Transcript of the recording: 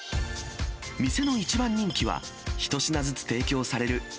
店の一番人気は、一品ずつ提供される